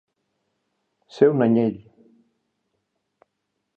Ser un anyell.